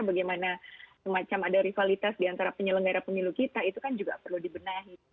bagaimana semacam ada rivalitas diantara penyelenggara pemilu kita itu kan juga perlu dibenahi